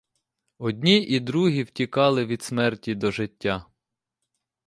Одні і другі втікали від смерті до життя.